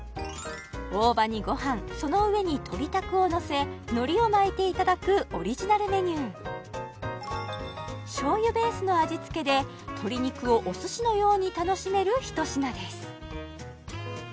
大葉にごはんその上にとりたくをのせ海苔を巻いていただくオリジナルメニューしょうゆベースの味付けで鶏肉をお寿司のように楽しめる一品です